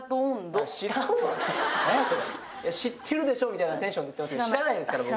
知ってるでしょみたいなテンションで言ってますけど知らないですから僕。